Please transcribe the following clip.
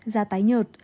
da tái nhợt